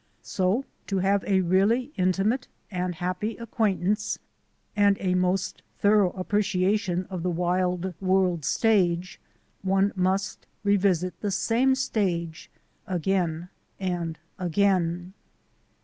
So, to have a really intimate and happy ac quaintance and a most thorough appreciation of the wild world stage, one must revisit the same stage again and again.